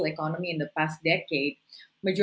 dalam beberapa dekade yang lalu